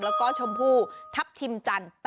แล้วก็ชมพูทัพทิมจัน๘๕บาทต่อกิโลกรัม